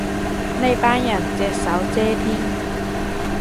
呢班人隻手遮天